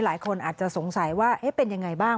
หลายคนอาจจะสงสัยว่าเป็นยังไงบ้าง